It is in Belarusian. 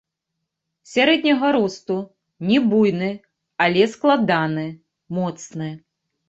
Сярэдняга росту, не буйны, але складаны, моцны.